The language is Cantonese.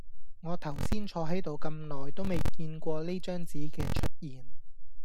我頭先坐喺度咁耐都未見過呢張紙嘅出現